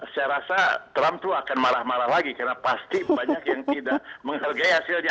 saya rasa trump itu akan marah marah lagi karena pasti banyak yang tidak menghargai hasilnya